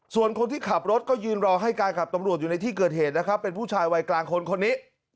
ส่วนคนที่ขับรถก็ยืนรอให้การกับตำรวจอยู่ในที่เกิดเหตุนะครับเป็นผู้ชายวัยกลางคนคนนี้